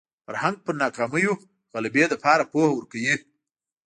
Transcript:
فرهنګ پر ناکامیو غلبې لپاره پوهه ورکوي